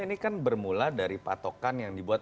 ini kan bermula dari patokan yang dibuat